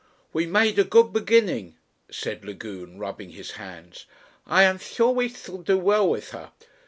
"We made a good beginning," said Lagune, rubbing his hands. "I am sure we shall do well with her.